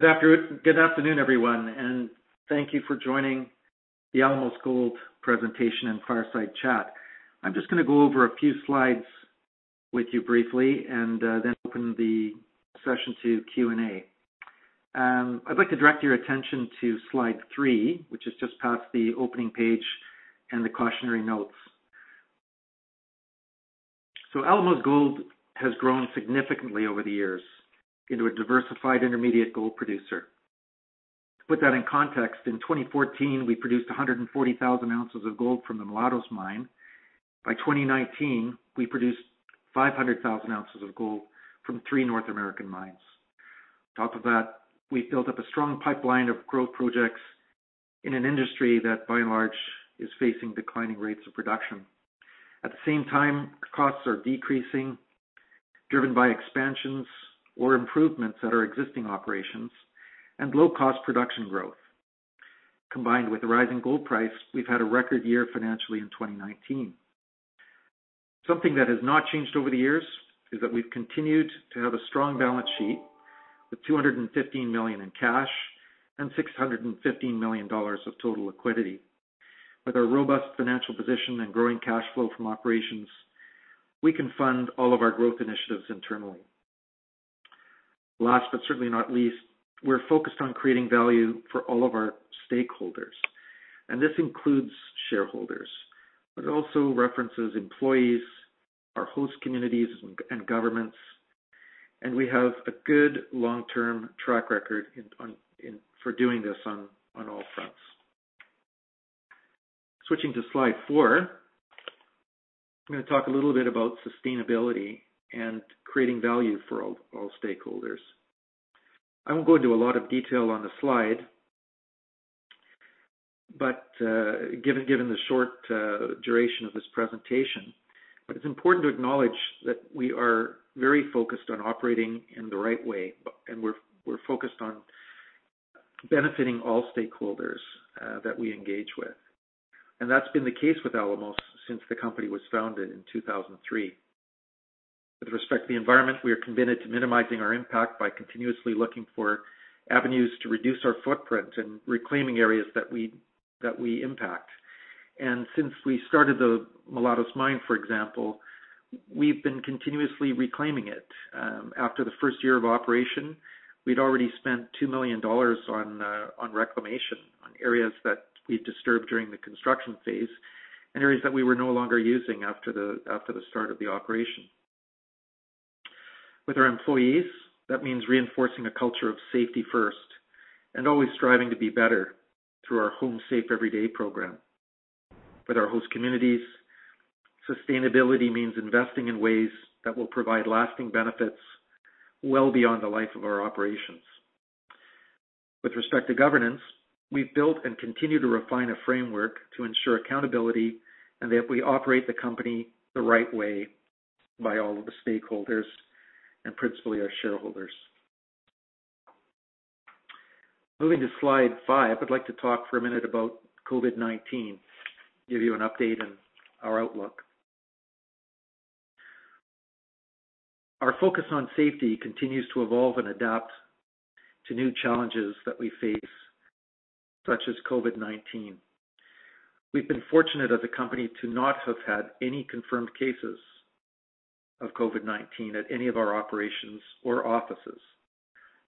Good afternoon, everyone, and thank you for joining the Alamos Gold presentation and fireside chat. I'm just going to go over a few slides with you briefly and then open the session to Q&A. I'd like to direct your attention to slide three, which is just past the opening page and the cautionary notes. Alamos Gold has grown significantly over the years into a diversified intermediate gold producer. To put that in context, in 2014, we produced 140,000 ounces of gold from the Mulatos mine. By 2019, we produced 500,000 ounces of gold from three North American mines. On top of that, we've built up a strong pipeline of growth projects in an industry that, by and large, is facing declining rates of production. At the same time, costs are decreasing, driven by expansions or improvements at our existing operations and low-cost production growth. Combined with the rising gold price, we've had a record year financially in 2019. Something that has not changed over the years is that we've continued to have a strong balance sheet with 215 million in cash and 615 million dollars of total liquidity. With our robust financial position and growing cash flow from operations, we can fund all of our growth initiatives internally. Last, but certainly not least, we're focused on creating value for all of our stakeholders, and this includes shareholders, but it also references employees, our host communities, and governments, and we have a good long-term track record for doing this on all fronts. Switching to slide four, I'm going to talk a little bit about sustainability and creating value for all stakeholders. I won't go into a lot of detail on the slide, given the short duration of this presentation, but it's important to acknowledge that we are very focused on operating in the right way, and we're focused on benefiting all stakeholders that we engage with. That's been the case with Alamos since the company was founded in 2003. With respect to the environment, we are committed to minimizing our impact by continuously looking for avenues to reduce our footprint and reclaiming areas that we impact. Since we started the Mulatos mine, for example, we've been continuously reclaiming it. After the first year of operation, we'd already spent 2 million dollars on reclamation on areas that we'd disturbed during the construction phase and areas that we were no longer using after the start of the operation. With our employees, that means reinforcing a culture of safety first and always striving to be better through our Home Safe Every Day program. With our host communities, sustainability means investing in ways that will provide lasting benefits well beyond the life of our operations. With respect to governance, we've built and continue to refine a framework to ensure accountability and that we operate the company the right way by all of the stakeholders and principally our shareholders. Moving to slide five, I'd like to talk for a minute about COVID-19, give you an update on our outlook. Our focus on safety continues to evolve and adapt to new challenges that we face, such as COVID-19. We've been fortunate as a company to not have had any confirmed cases of COVID-19 at any of our operations or offices,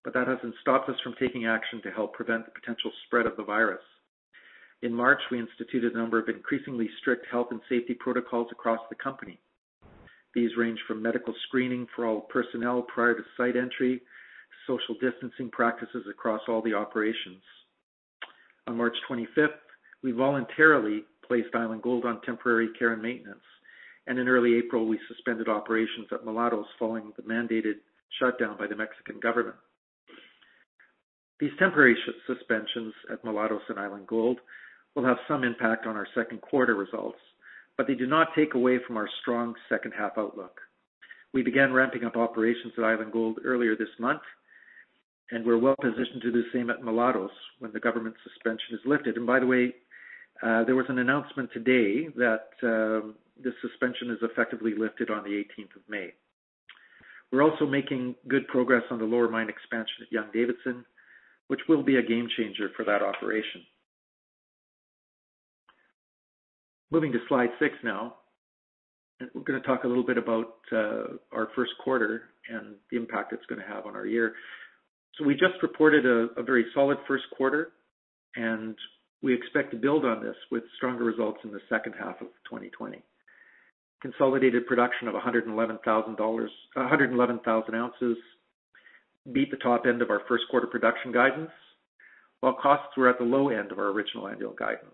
but that hasn't stopped us from taking action to help prevent the potential spread of the virus. In March, we instituted a number of increasingly strict health and safety protocols across the company. These range from medical screening for all personnel prior to site entry, social distancing practices across all the operations. On March 25th, we voluntarily placed Island Gold on temporary care and maintenance, and in early April, we suspended operations at Mulatos following the mandated shutdown by the Mexican government. These temporary suspensions at Mulatos and Island Gold will have some impact on our second quarter results, but they do not take away from our strong second half outlook. We began ramping up operations at Island Gold earlier this month, and we're well positioned to do the same at Mulatos when the government suspension is lifted. By the way, there was an announcement today that the suspension is effectively lifted on the 18th of May. We're also making good progress on the lower mine expansion at Young-Davidson, which will be a game changer for that operation. Moving to slide six now, we're going to talk a little bit about our first quarter and the impact it's going to have on our year. We just reported a very solid first quarter, and we expect to build on this with stronger results in the second half of 2020. Consolidated production of 111,000 ounces beat the top end of our first quarter production guidance, while costs were at the low end of our original annual guidance.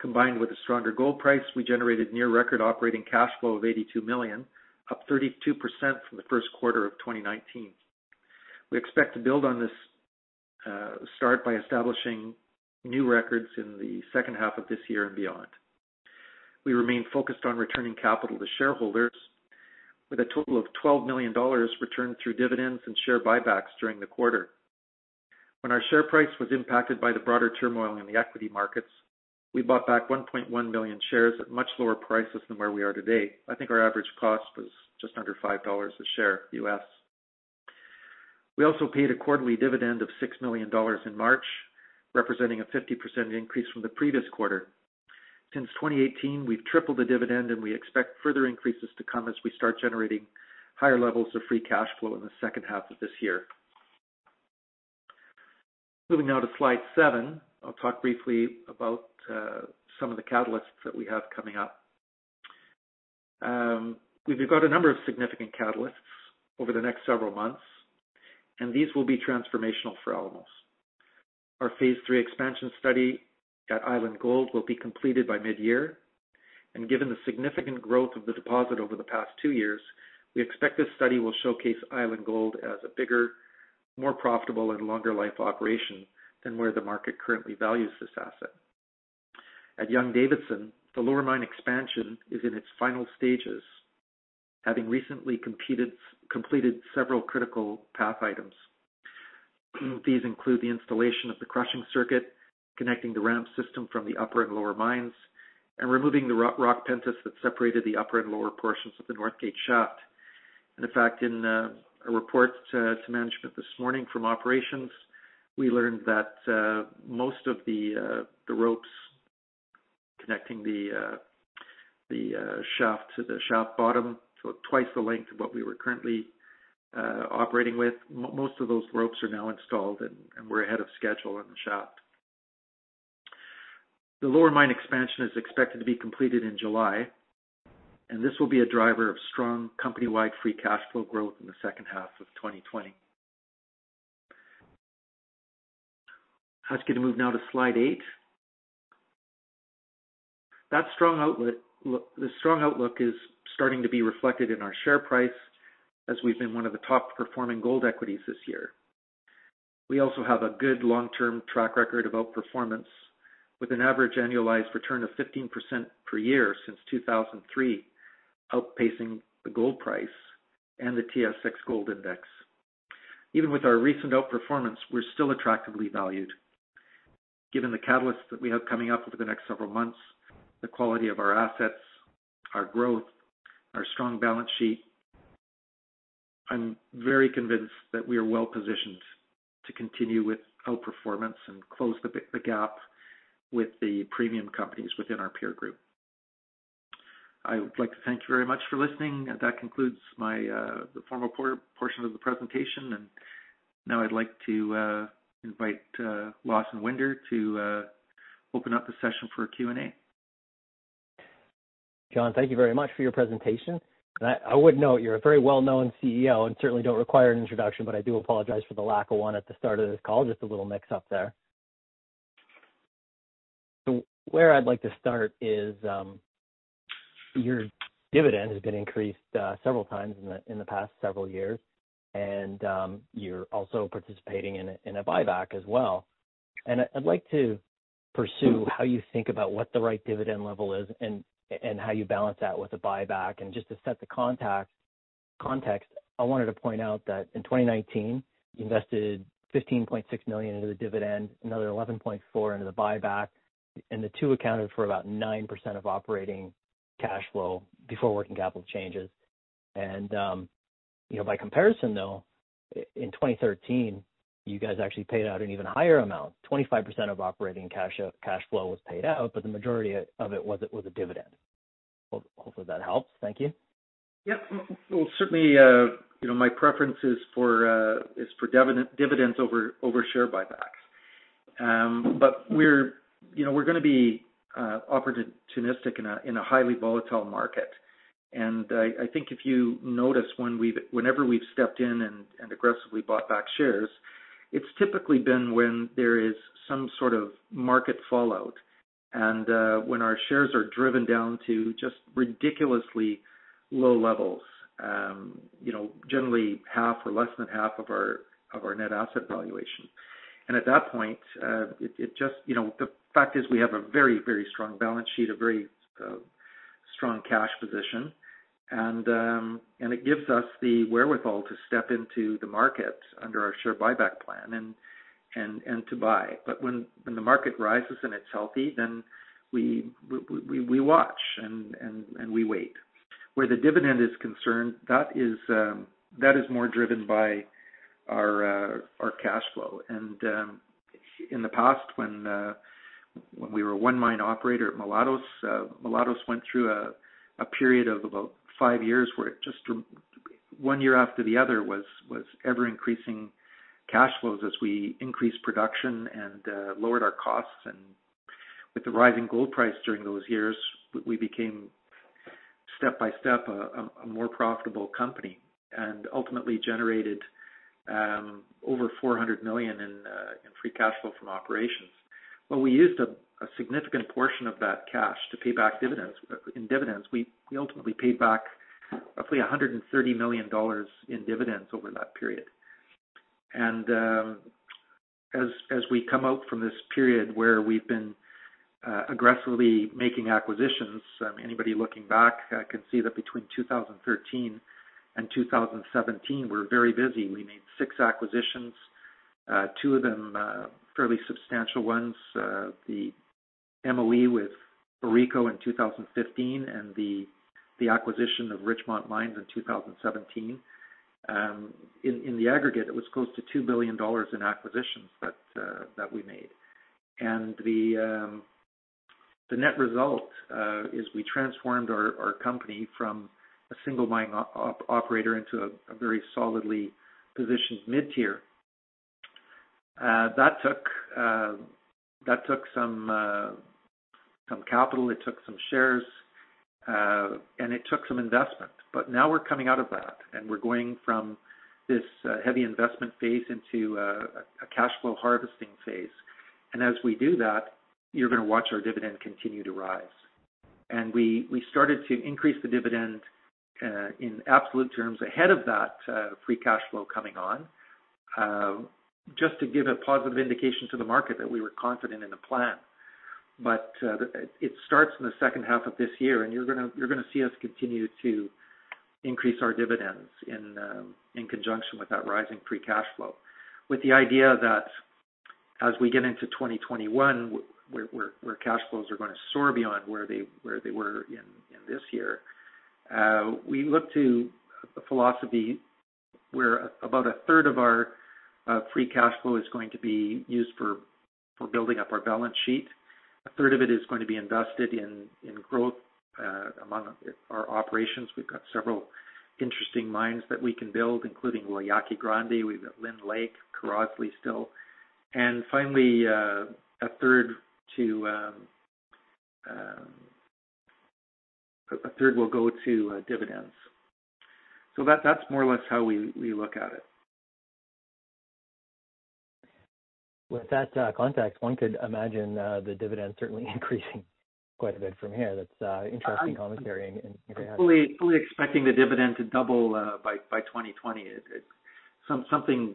Combined with a stronger gold price, we generated near record operating cash flow of 82 million, up 32% from the first quarter of 2019. We expect to build on this start by establishing new records in the second half of this year and beyond. We remain focused on returning capital to shareholders with a total of 12 million dollars returned through dividends and share buybacks during the quarter. When our share price was impacted by the broader turmoil in the equity markets. We bought back 1.1 million shares at much lower prices than where we are today. I think our average cost was just under $5 a share U.S. We also paid a quarterly dividend of 6 million dollars in March, representing a 50% increase from the previous quarter. Since 2018, we've tripled the dividend, and we expect further increases to come as we start generating higher levels of free cash flow in the second half of this year. Moving now to slide seven, I'll talk briefly about some of the catalysts that we have coming up. We've got a number of significant catalysts over the next several months, and these will be transformational for Alamos. Our Phase III expansion study at Island Gold will be completed by mid-year, and given the significant growth of the deposit over the past two years, we expect this study will showcase Island Gold as a bigger, more profitable, and longer life operation than where the market currently values this asset. At Young-Davidson, the lower mine expansion is in its final stages, having recently completed several critical path items. These include the installation of the crushing circuit, connecting the ramp system from the upper and lower mines, and removing the rock pentice that separated the upper and lower portions of the Northgate shaft. In fact, in a report to management this morning from operations, we learned that most of the ropes connecting the shaft to the shaft bottom, so twice the length of what we were currently operating with, most of those ropes are now installed, and we're ahead of schedule in the shaft. The lower mine expansion is expected to be completed in July, this will be a driver of strong company-wide free cash flow growth in the second half of 2020. If I could move now to slide eight. The strong outlook is starting to be reflected in our share price, as we've been one of the top performing gold equities this year. We also have a good long-term track record of outperformance, with an average annualized return of 15% per year since 2003, outpacing the gold price and the TSX Gold Index. Even with our recent outperformance, we're still attractively valued. Given the catalysts that we have coming up over the next several months, the quality of our assets, our growth, our strong balance sheet, I'm very convinced that we are well positioned to continue with outperformance and close the gap with the premium companies within our peer group. I would like to thank you very much for listening. That concludes the formal portion of the presentation, and now I'd like to invite Lawson Winder to open up the session for Q&A. John, thank you very much for your presentation. I would note you're a very well-known CEO and certainly don't require an introduction, but I do apologize for the lack of one at the start of this call, just a little mix-up there. Where I'd like to start is, your dividend has been increased several times in the past several years, and you're also participating in a buyback as well. I'd like to pursue how you think about what the right dividend level is and how you balance that with a buyback. Just to set the context, I wanted to point out that in 2019, you invested 15.6 million into the dividend, another 11.4 million into the buyback, and the two accounted for about 9% of operating cash flow before working capital changes. By comparison though, in 2013, you guys actually paid out an even higher amount, 25% of operating cash flow was paid out, but the majority of it was a dividend. Hopefully that helps. Thank you. Yep. Well, certainly, my preference is for dividends over share buybacks. We're going to be opportunistic in a highly volatile market. I think if you notice, whenever we've stepped in and aggressively bought back shares, it's typically been when there is some sort of market fallout. When our shares are driven down to just ridiculously low levels, generally half or less than half of our net asset valuation. At that point, the fact is we have a very strong balance sheet, a very strong cash position, and it gives us the wherewithal to step into the market under our share buyback plan, and to buy. When the market rises and it's healthy, then we watch and we wait. Where the dividend is concerned, that is more driven by our cash flow. In the past, when we were a one mine operator at Mulatos went through a period of about five years where it just, one year after the other, was ever increasing cash flows as we increased production and lowered our costs. With the rising gold price during those years, we became, step-by-step, a more profitable company, and ultimately generated over 400 million in free cash flow from operations. Well, we used a significant portion of that cash to pay back in dividends. We ultimately paid back roughly 130 million dollars in dividends over that period. As we come out from this period where we've been aggressively making acquisitions, anybody looking back can see that between 2013 and 2017, we were very busy. We made six acquisitions. Two of them fairly substantial ones, the MOE with AuRico in 2015 and the acquisition of Richmont Mines in 2017. In the aggregate, it was close to 2 billion dollars in acquisitions that we made. The net result is we transformed our company from a single mining operator into a very solidly positioned mid-tier. That took some capital, it took some shares, and it took some investment. Now we're coming out of that, and we're going from this heavy investment phase into a cash flow harvesting phase. As we do that, you're going to watch our dividend continue to rise. We started to increase the dividend, in absolute terms, ahead of that free cash flow coming on, just to give a positive indication to the market that we were confident in the plan. It starts in the second half of this year, and you're going to see us continue to increase our dividends in conjunction with that rising free cash flow. With the idea that as we get into 2021, where cash flows are going to soar beyond where they were in this year, we look to a philosophy where about a third of our free cash flow is going to be used for building up our balance sheet. A third of it is going to be invested in growth among our operations. We've got several interesting mines that we can build, including La Yaqui Grande. We've got Lynn Lake, resembling still. Finally, a third will go to dividends. That's more or less how we look at it. With that context, one could imagine the dividend certainly increasing quite a bit from here. That's interesting commentary. Go ahead. Fully expecting the dividend to double by 2020. Something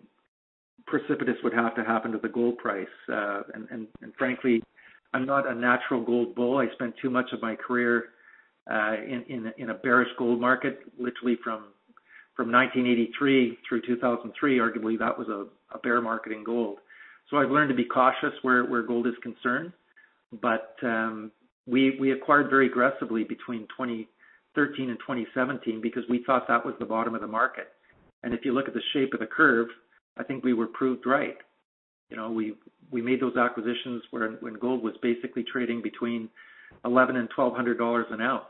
precipitous would have to happen to the gold price. Frankly, I'm not a natural gold bull. I spent too much of my career in a bearish gold market, literally from 1983 through 2003. Arguably, that was a bear market in gold. I've learned to be cautious where gold is concerned, but we acquired very aggressively between 2013 and 2017 because we thought that was the bottom of the market. If you look at the shape of the curve, I think we were proved right. We made those acquisitions when gold was basically trading between 1,100 and 1,200 dollars an ounce.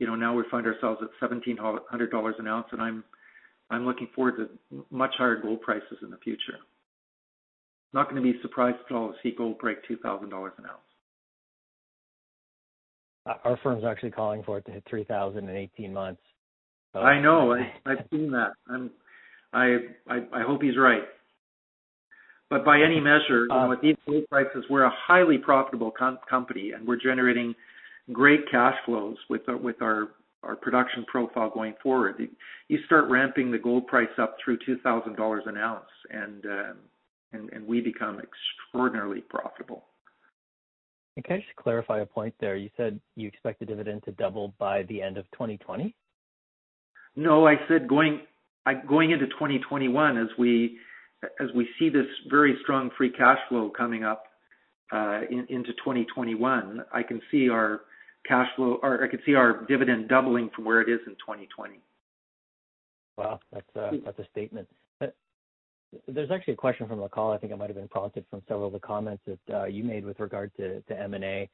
Now we find ourselves at 1,700 dollars an ounce, and I'm looking forward to much higher gold prices in the future. Not going to be surprised at all to see gold break 2,000 dollars an ounce. Our firm's actually calling for it to hit 3,000 in 18 months. I know. I've seen that. I hope he's right. By any measure, with these gold prices, we're a highly profitable company, and we're generating great cash flows with our production profile going forward. You start ramping the gold price up through 2,000 dollars an ounce, we become extraordinarily profitable. Can I just clarify a point there? You said you expect the dividend to double by the end of 2020? No, I said going into 2021, as we see this very strong free cash flow coming up into 2021, I can see our dividend doubling from where it is in 2020. Wow, that's a statement. There's actually a question from the call, I think it might have been prompted from several of the comments that you made with regard to M&A.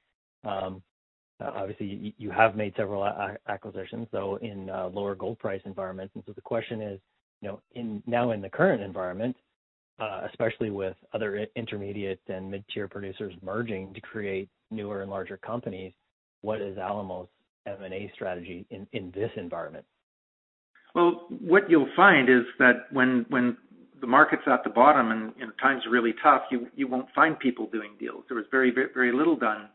Obviously, you have made several acquisitions, though, in lower gold price environments. The question is, now in the current environment, especially with other intermediate and mid-tier producers merging to create newer and larger companies, what is Alamos' M&A strategy in this environment? Well, what you'll find is that when the market's at the bottom and times are really tough, you won't find people doing deals. There was very little done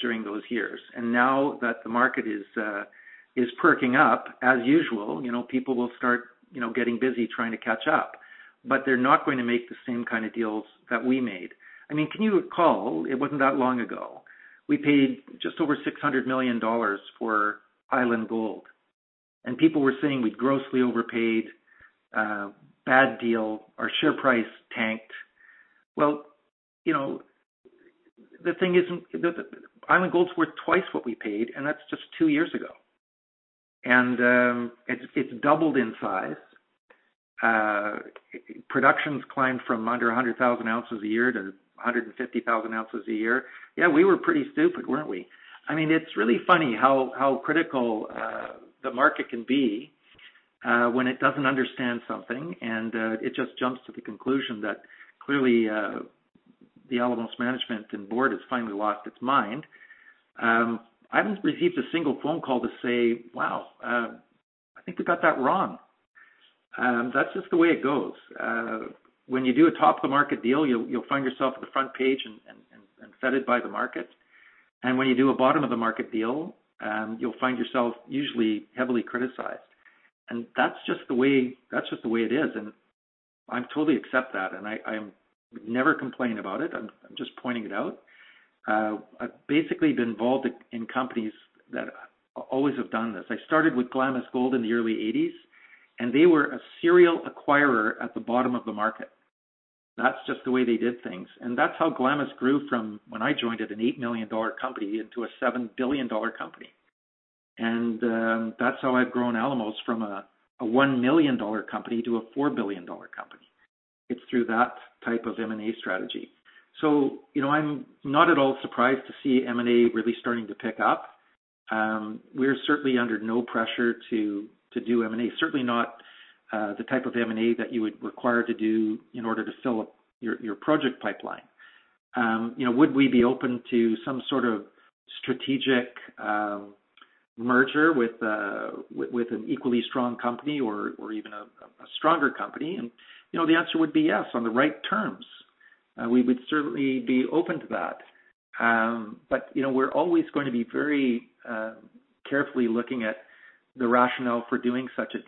during those years. Now that the market is perking up, as usual, people will start getting busy trying to catch up. They're not going to make the same kind of deals that we made. Can you recall, it wasn't that long ago, we paid just over 600 million dollars for Island Gold. People were saying we'd grossly overpaid, bad deal, our share price tanked. Well, the thing is, Island Gold's worth twice what we paid, and that's just two years ago. It's doubled in size. Production's climbed from under 100,000 ounces a year to 150,000 ounces a year. Yeah, we were pretty stupid, weren't we? It's really funny how critical the market can be when it doesn't understand something, and it just jumps to the conclusion that clearly the Alamos management and board has finally lost its mind. I haven't received a single phone call to say, "Wow, I think we got that wrong." That's just the way it goes. When you do a top of the market deal, you'll find yourself at the front page and feted by the market. When you do a bottom of the market deal, you'll find yourself usually heavily criticized. That's just the way it is, and I totally accept that. I am never complain about it. I'm just pointing it out. I've basically been involved in companies that always have done this. I started with Glamis Gold in the early '80s, and they were a serial acquirer at the bottom of the market. That's just the way they did things. That's how Glamis grew from, when I joined it, a 8 million dollar company into a 7 billion dollar company. That's how I've grown Alamos from a 1 million dollar company to a 4 billion dollar company. It's through that type of M&A strategy. I'm not at all surprised to see M&A really starting to pick up. We're certainly under no pressure to do M&A, certainly not the type of M&A that you would require to do in order to fill up your project pipeline. Would we be open to some sort of strategic merger with an equally strong company or even a stronger company? The answer would be yes, on the right terms. We would certainly be open to that. We're always going to be very carefully looking at the rationale for doing such a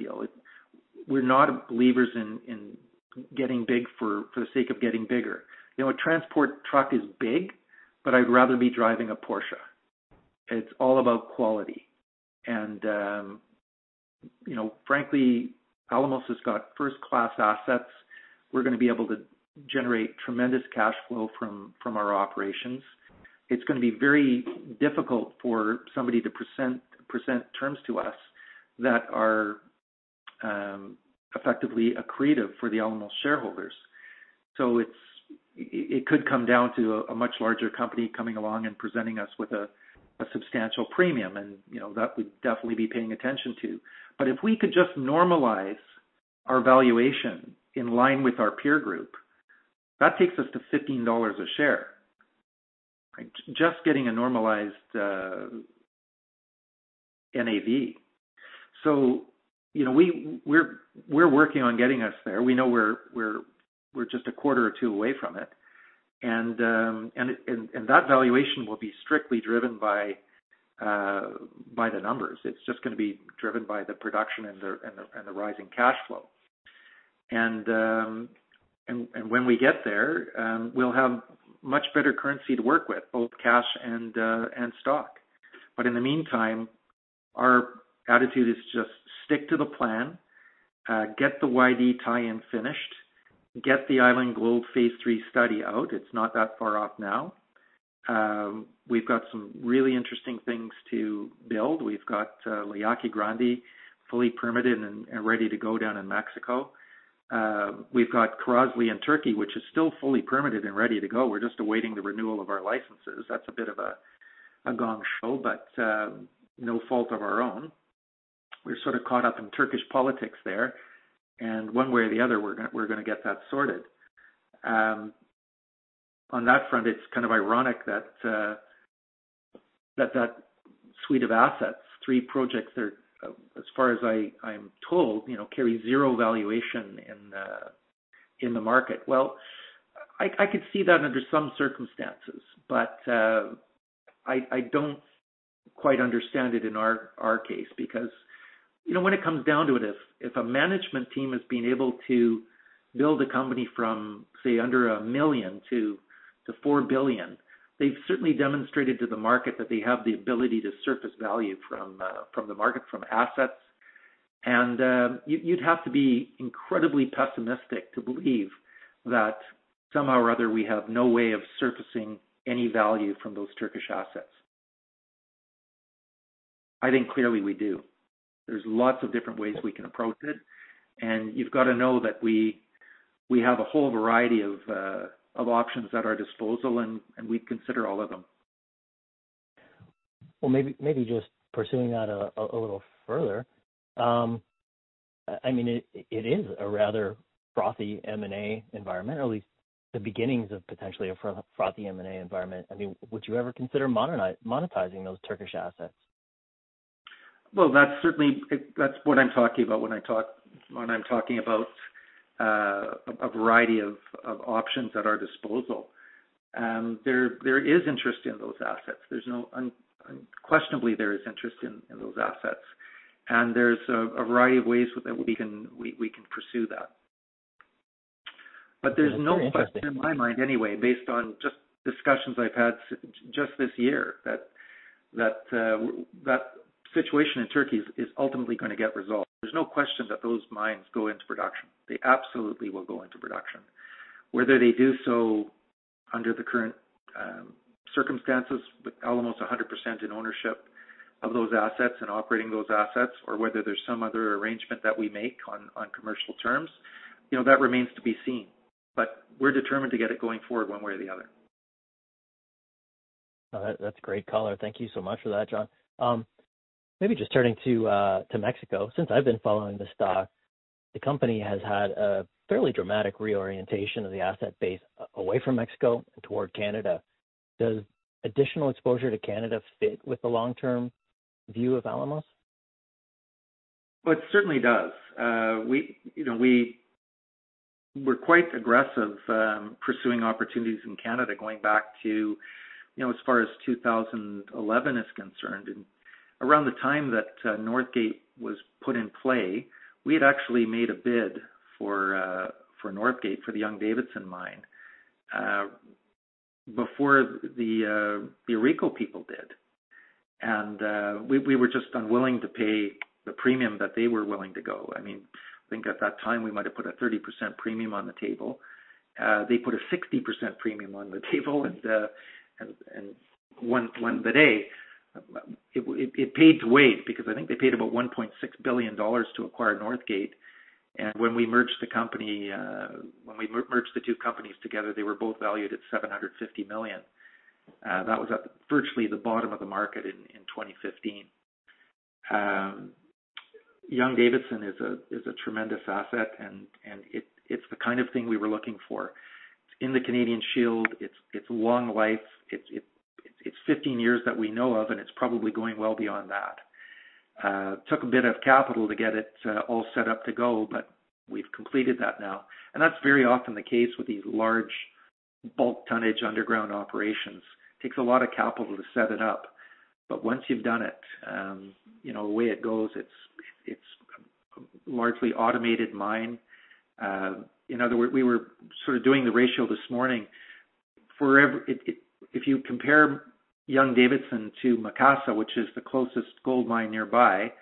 deal. We're not believers in getting big for the sake of getting bigger. A transport truck is big, I'd rather be driving a Porsche. It's all about quality. Frankly, Alamos has got first-class assets. We're going to be able to generate tremendous cash flow from our operations. It's going to be very difficult for somebody to present terms to us that are effectively accretive for the Alamos shareholders. It could come down to a much larger company coming along and presenting us with a substantial premium, that we'd definitely be paying attention to. If we could just normalize our valuation in line with our peer group, that takes us to 15 dollars a share. Just getting a normalized NAV. We're working on getting us there. We know we're just a quarter or two away from it. That valuation will be strictly driven by the numbers. It's just going to be driven by the production and the rising cash flow. When we get there, we'll have much better currency to work with, both cash and stock. In the meantime, our attitude is just stick to the plan, get the YD tie-in finished, get the Island Gold Phase 3 study out. It's not that far off now. We've got some really interesting things to build. We've got La Yaqui Grande fully permitted and ready to go down in Mexico. We've got Kirazli in Turkey, which is still fully permitted and ready to go. We're just awaiting the renewal of our licenses. That's a bit of a gong show, but no fault of our own. We're sort of caught up in Turkish politics there, one way or the other, we're going to get that sorted. On that front, it's kind of ironic that that suite of assets, three projects there, as far as I'm told, carry zero valuation in the market. Well, I could see that under some circumstances, but I don't quite understand it in our case, because when it comes down to it, if a management team has been able to build a company from, say, under 1 million to 4 billion, they've certainly demonstrated to the market that they have the ability to surface value from the market, from assets. You'd have to be incredibly pessimistic to believe that somehow or other we have no way of surfacing any value from those Turkish assets. I think clearly we do. There's lots of different ways we can approach it, and you've got to know that we have a whole variety of options at our disposal, and we'd consider all of them. Maybe just pursuing that a little further. It is a rather frothy M&A environment, or at least the beginnings of potentially a frothy M&A environment. Would you ever consider monetizing those Turkish assets? Well, that's what I'm talking about when I'm talking about a variety of options at our disposal. There is interest in those assets. Unquestionably, there is interest in those assets. There's a variety of ways that we can pursue that. That's very interesting. There's no question in my mind, anyway, based on just discussions I've had just this year, that situation in Turkey is ultimately going to get resolved. There's no question that those mines go into production. They absolutely will go into production. Whether they do so under the current circumstances with Alamos 100% in ownership of those assets and operating those assets, or whether there's some other arrangement that we make on commercial terms, that remains to be seen. We're determined to get it going forward one way or the other. That's a great color. Thank you so much for that, John. Maybe just turning to Mexico. Since I've been following the stock, the company has had a fairly dramatic reorientation of the asset base away from Mexico and toward Canada. Does additional exposure to Canada fit with the long-term view of Alamos? It certainly does. We were quite aggressive pursuing opportunities in Canada, going back to as far as 2011 is concerned. Around the time that Northgate was put in play, we had actually made a bid for Northgate, for the Young-Davidson mine, before the AuRico people did. We were just unwilling to pay the premium that they were willing to go. I think at that time we might have put a 30% premium on the table. They put a 60% premium on the table and won the day. It paid its weight, because I think they paid about 1.6 billion dollars to acquire Northgate, and when we merged the two companies together, they were both valued at 750 million. That was at virtually the bottom of the market in 2015. Young-Davidson is a tremendous asset and it's the kind of thing we were looking for. It's in the Canadian Shield. It's long life. It's 15 years that we know of, and it's probably going well beyond that. It took a bit of capital to get it all set up to go. We've completed that now, and that's very often the case with these large bulk tonnage underground operations. It takes a lot of capital to set it up. Once you've done it, the way it goes, it's a largely automated mine. We were sort of doing the ratio this morning. If you compare Young-Davidson to Macassa, which is the closest gold mine nearby,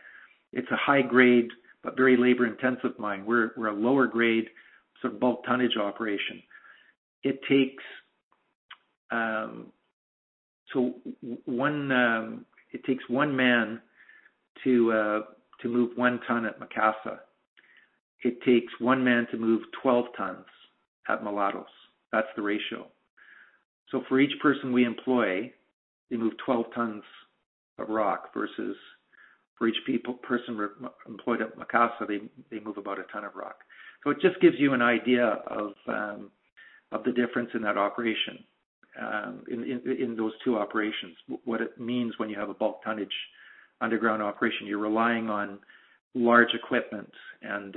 it's a high grade but very labor-intensive mine. We're a lower grade, sort of bulk tonnage operation. It takes one man to move one ton at Macassa. It takes one man to move 12 tons at Mulatos. That's the ratio. For each person we employ, they move 12 tons of rock versus for each person employed at Macassa, they move about one ton of rock. It just gives you an idea of the difference in those two operations. What it means when you have a bulk tonnage underground operation, you're relying on large equipment and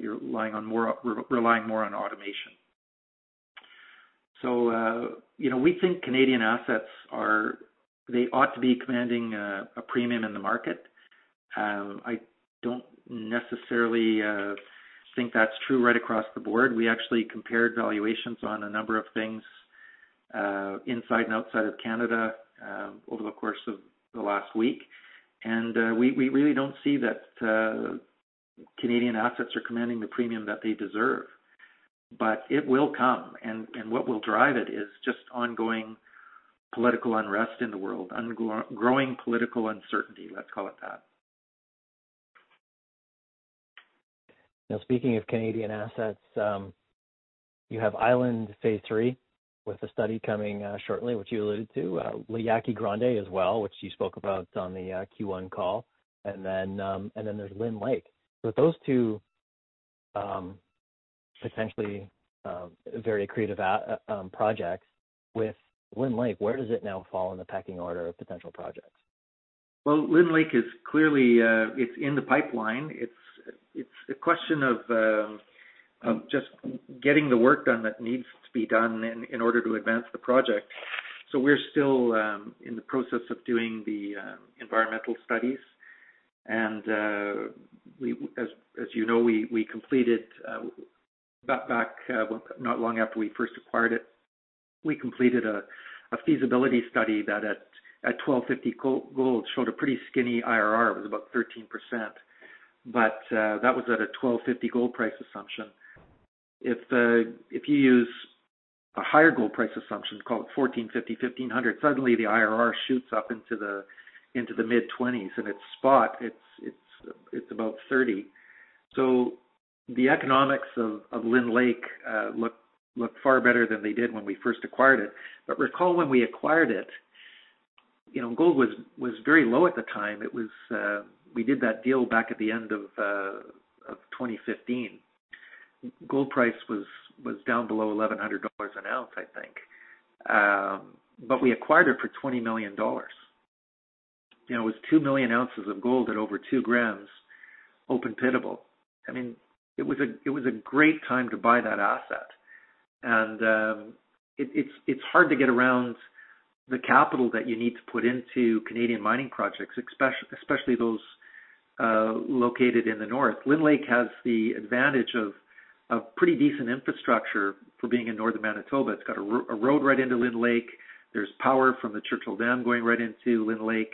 you're relying more on automation. We think Canadian assets ought to be commanding a premium in the market. I don't necessarily think that's true right across the board. We actually compared valuations on a number of things, inside and outside of Canada, over the course of the last week, and we really don't see that Canadian assets are commanding the premium that they deserve. It will come, and what will drive it is just ongoing political unrest in the world, growing political uncertainty, let's call it that. Speaking of Canadian assets, you have Island Phase III with a study coming shortly, which you alluded to. La Yaqui Grande as well, which you spoke about on the Q1 call, and then there's Lynn Lake. With those two potentially very accretive projects with Lynn Lake, where does it now fall in the pecking order of potential projects? Lynn Lake is clearly in the pipeline. It's a question of just getting the work done that needs to be done in order to advance the project. We're still in the process of doing the environmental studies, and as you know, not long after we first acquired it, we completed a feasibility study that at $1,250 gold showed a pretty skinny IRR. It was about 13%, but that was at a $1,250 gold price assumption. If you use a higher gold price assumption, call it $1,450, $1,500, suddenly the IRR shoots up into the mid-20s. It's spot, it's about 30. The economics of Lynn Lake look far better than they did when we first acquired it. Recall when we acquired it, gold was very low at the time. We did that deal back at the end of 2015. Gold price was down below $1,100 an ounce, I think. We acquired it for 20 million dollars. It was 2 million ounces of gold at over 2 g, open pitable. It was a great time to buy that asset. It's hard to get around the capital that you need to put into Canadian mining projects, especially those located in the north. Lynn Lake has the advantage of pretty decent infrastructure for being in northern Manitoba. It's got a road right into Lynn Lake. There's power from the Churchill Dam going right into Lynn Lake,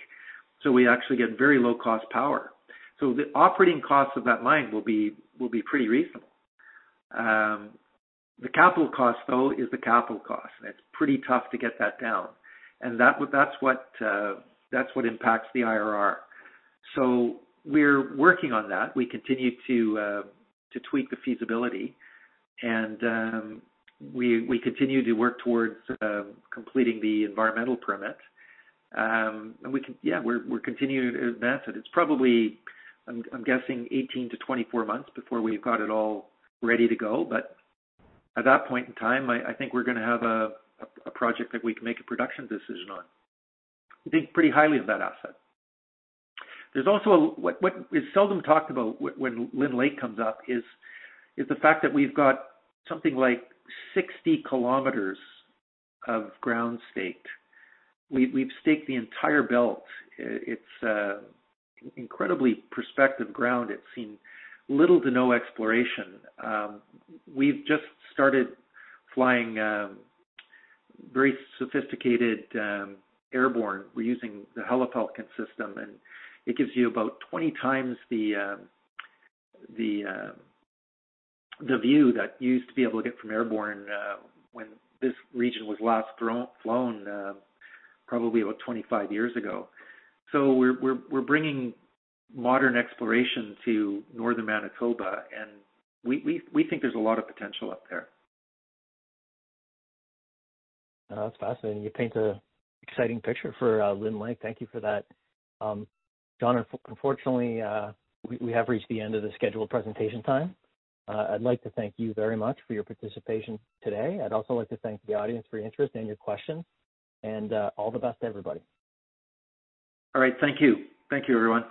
so we actually get very low-cost power. The operating cost of that mine will be pretty reasonable. The capital cost, though, is the capital cost, and it's pretty tough to get that down, and that's what impacts the IRR. We're working on that. We continue to tweak the feasibility and we continue to work towards completing the environmental permit. We're continuing to advance it. It's probably, I'm guessing, 18-24 months before we've got it all ready to go, but at that point in time, I think we're going to have a project that we can make a production decision on. We think pretty highly of that asset. What is seldom talked about when Lynn Lake comes up is the fact that we've got something like 60 km of ground staked. We've staked the entire belt. It's incredibly prospective ground. It's seen little to no exploration. We've just started flying a very sophisticated airborne. We're using the HeliTEM system, and it gives you about 20 times the view that you used to be able to get from airborne when this region was last flown, probably about 25 years ago. We're bringing modern exploration to northern Manitoba, and we think there's a lot of potential up there. That's fascinating. You paint an exciting picture for Lynn Lake. Thank you for that. John, unfortunately, we have reached the end of the scheduled presentation time. I'd like to thank you very much for your participation today. I'd also like to thank the audience for your interest and your questions, and all the best to everybody. All right. Thank you. Thank you, everyone.